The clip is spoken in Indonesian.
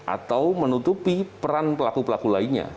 atau menutupi peran pelaku pelaku lainnya